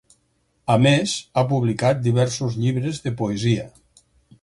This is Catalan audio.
A més ha publicat diversos llibres de poesia.